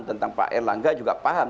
tentang pak erlangga juga paham